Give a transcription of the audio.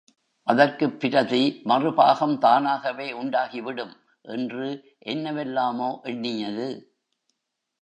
அதற்குப் பிரதி மறு பாகம் தானாகவே உண்டாகிவிடும்... என்று என்னவெல்லாமோ எண்ணியது.